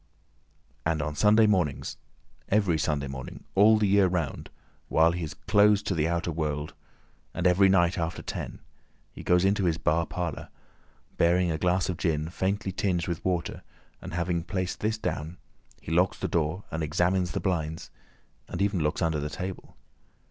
And on Sunday mornings, every Sunday morning, all the year round, while he is closed to the outer world, and every night after ten, he goes into his bar parlour, bearing a glass of gin faintly tinged with water, and having placed this down, he locks the door and examines the blinds, and even looks under the table.